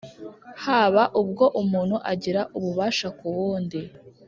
haba ubwo umuntu agira ububasha ku wundi